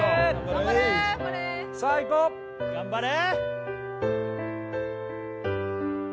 頑張れさあいこう頑張れ！